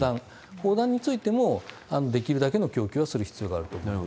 砲弾についても、できるだけの供給はする必要があると思います。